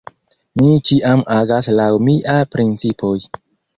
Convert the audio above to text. Mi ĉiam agas laŭ miaj principoj.